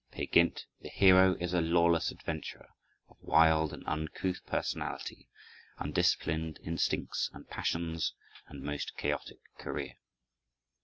Peer Gynt, the hero, is a lawless adventurer, of wild and uncouth personality, undisciplined instincts and passions, and most chaotic career.